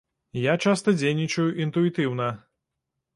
Я часта дзейнічаю інтуітыўна.